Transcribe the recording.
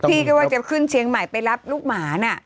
พี่ก็ว่าจะขึ้นเชียงใหม่ไปรับลูกหมาน่ะ